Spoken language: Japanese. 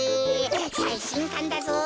さいしんかんだぞ。